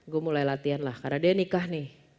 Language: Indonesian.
gue mulai latihan lah karena dia nikah nih